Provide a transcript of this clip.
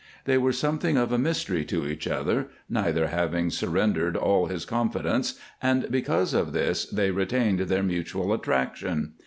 They were something of a mystery to each other, neither having surrendered all his confidence, and because of this they retained their mutual attraction.